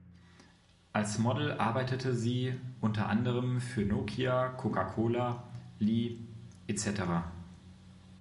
Als Model arbeitete sie unter anderem für Nokia, Coca Cola, Lee etc.